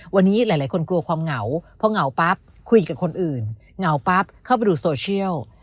วันนี้หลายคนกลัวความเหงาพอเหงาปั๊บคุยกับคนอื่นเหงาปั๊บเข้าไปดูโซเชียล